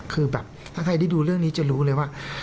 คือแบบถ้าใครได้ดูเรื่องนี้จะรู้เลยว่า